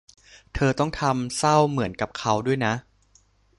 เธอต้องทำท่าเศร้าเหมือนกับเค้าด้วยนะ